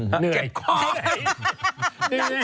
หนึ่งหนึ่งเหนื่อย